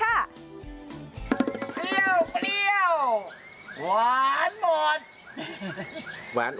เปรี้ยวเปรี้ยวหวานหมด